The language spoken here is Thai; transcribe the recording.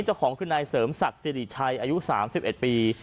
เจ้าของคือนายเสริมศักดิ์สิริชัยอายุ๓๑ปี